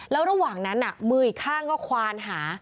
แล้วระหว่างนั้นมืออีกข้างก็ควานหา